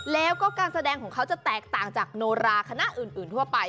แล้วก็การแสดงของเขาจะแตกต่างจากโนราคณะอื่นทั่วไป